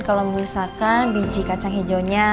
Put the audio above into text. kalau misalkan biji kacang hijaunya